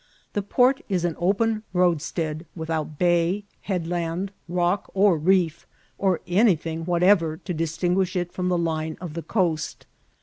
The port is an open roadstead, with out bay, headland, rock, or reef, or anything whatever to distingiHsh it from the line of the coast.